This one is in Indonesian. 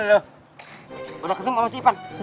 eeeh udah ketemu sama si ipang